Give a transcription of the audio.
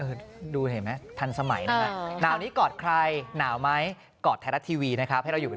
โหดูดีมากคะคุณพี่